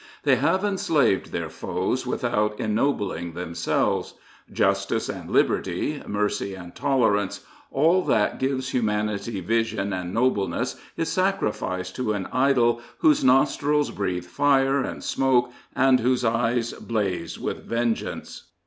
They have enslaved their foes without ennobling themselves. Justice and liberty, mercy and tolerance — all that gives humanity 3^9 Prophets, Priests, and Kings vision and nobleness is sacrificed to an idol whose nostrils breathe fire and smoke and whose eyes blaze with vengeance.